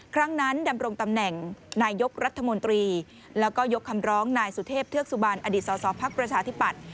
ครั้งนั้นดำรงตำแหน่งนายกรัฐมนตรีแล้วก็ยกคำร้องนายสุเทพเทือกสุบันอดีตสอสอภักดิ์ประชาธิปัตย